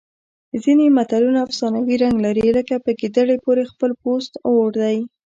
ځینې متلونه افسانوي رنګ لري لکه په ګیدړې پورې خپل پوست اور دی